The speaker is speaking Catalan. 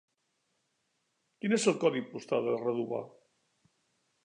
Quin és el codi postal de Redovà?